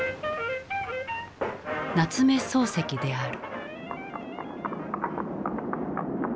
夏目漱石である。